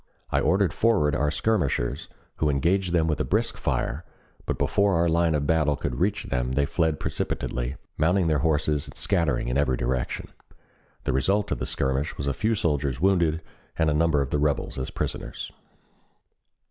I ordered forward our skirmishers, who engaged them with a brisk fire, but before our line of battle could reach them they fled precipitately, mounting their horses and scattering in every direction. The result of the skirmish was a few soldiers wounded and a number of the rebels as prisoners.